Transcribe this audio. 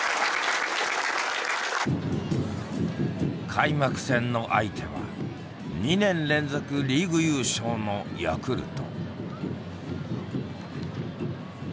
開幕戦の相手は２年連続リーグ優勝のヤクルト。